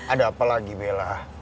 ada apalagi bella